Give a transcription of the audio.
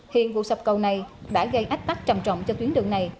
hiện vụ sập cầu này đã gây ách tắc trầm trọng cho tuyến đường này